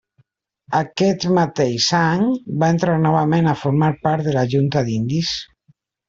Aquest mateix any va entrar novament a formar part de la Junta d'Índies.